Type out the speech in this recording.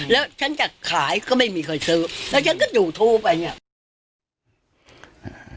แล้วฉันจะขายก็ไม่มีใครซื้อแล้วฉันก็ยูทูปไปเนี่ย